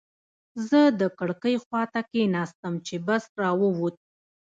زه د کړکۍ خواته کېناستم چې بس را ووت.